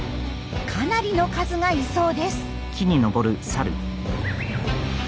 かなりの数がいそうです。